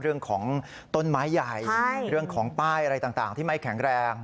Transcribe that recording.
เรื่องของต้นไม้ใหญ่เรื่องของป้ายอะไรต่างที่ไม่แข็งแรง